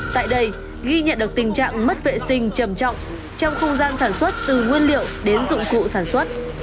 tại đây ghi nhận được tình trạng mất vệ sinh trầm trọng trong không gian sản xuất từ nguyên liệu đến dụng cụ sản xuất